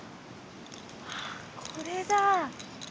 あっこれだ。